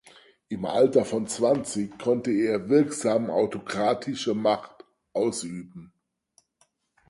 Im Alter von zwanzig konnte er wirksam autokratische Macht ausüben.